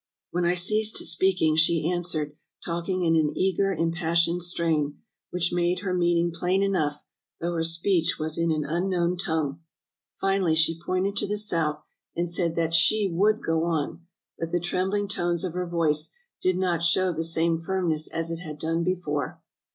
"When I ceased speaking, she answered, talking in an eager, impassioned strain, which made her meaning plain enough, though her speech was in an unknown tongue. Finally she pointed to the south and said that she would go on, but the trembling tones of her voice did not show the same firmness as it had done before.